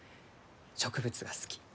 植物が好き。